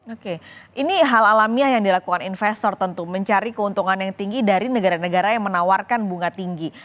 oke ini hal alamiah yang dilakukan investor tentu mencari keuntungan yang tinggi dari negara negara yang menawarkan bunga tinggi